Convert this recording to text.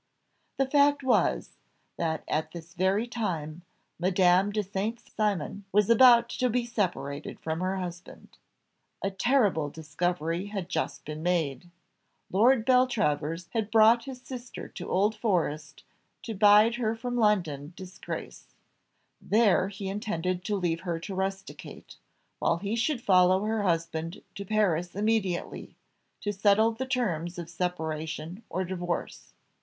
The fact was, that at this very time Madame de St. Cymon was about to be separated from her husband. A terrible discovery had just been made. Lord Beltravers had brought his sister to Old Forest to bide her from London disgrace; there he intended to leave her to rusticate, while he should follow her husband to Paris immediately, to settle the terms of separation or divorce.